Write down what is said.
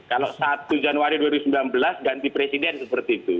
kalau satu januari dua ribu sembilan belas ganti presiden seperti itu